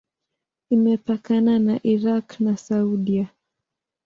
Imepakana na Irak na Saudia.